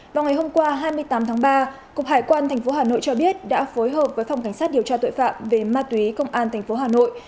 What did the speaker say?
vào ngày hôm qua hai mươi tám tháng ba cục hải quan tp hà nội cho biết đã phối hợp với phòng cảnh sát điều tra tội phạm về ma túy công an tp hà nội